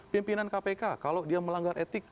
pimpinan kpk kalau dia melanggar etik